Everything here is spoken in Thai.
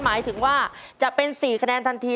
หมายถึงว่าจะเป็น๔คะแนนทันที